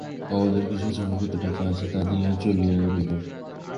আমাদের কিছু জমাকৃত টাকা আছে, তা দিয়েই চালিয়ে নিব।